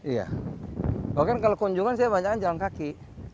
iya bahkan kalau kunjungan saya banyak jalan kaki